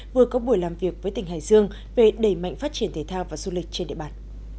vừa có buổi làm việc với tỉnh hải dương về đẩy mạnh phát triển thể thao và du lịch trên địa bàn